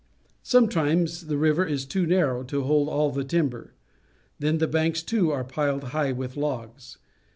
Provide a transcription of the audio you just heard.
Sometimes the river is too narrow to hold all the timber. Then the banks, too, are piled high with logs.